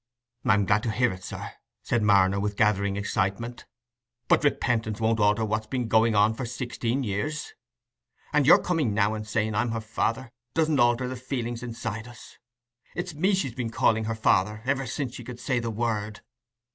"I'm glad to hear it, sir," said Marner, with gathering excitement; "but repentance doesn't alter what's been going on for sixteen year. Your coming now and saying "I'm her father" doesn't alter the feelings inside us. It's me she's been calling her father ever since she could say the word."